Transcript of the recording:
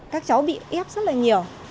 các cháu bị ép rất là nhiều